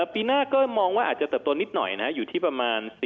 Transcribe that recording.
ปีหน้าก็มองว่าอาจจะเติบโตนิดหน่อยนะอยู่ที่ประมาณ